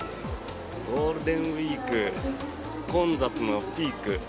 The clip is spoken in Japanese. ゴールデンウィーク混雑のピーク